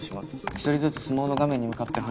１人ずつスマホの画面に向かって話すだけ。